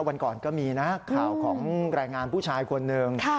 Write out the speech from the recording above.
วันก่อนก็มีนะข่าวของแรงงานผู้ชายคนหนึ่ง